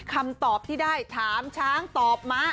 คำตอบที่ได้ถามช้างตอบมา